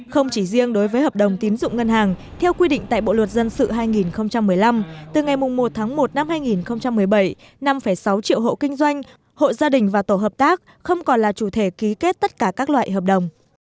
không chỉ riêng đối với hợp đồng tín dụng ngân hàng theo quy định tại bộ luật dân sự hai nghìn một mươi năm từ ngày một tháng một năm hai nghìn một mươi bảy năm sáu triệu hộ kinh doanh hộ gia đình và tổ hợp tác không còn là chủ thể ký kết tất cả các loại hợp đồng